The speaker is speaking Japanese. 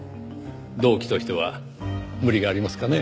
動機としては無理がありますかねぇ。